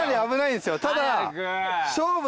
ただ。